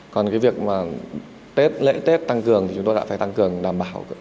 còn cái việc mà tết lễ tết tăng cường thì chúng tôi đã phải tăng cường đảm bảo